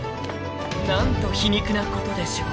［何と皮肉なことでしょう］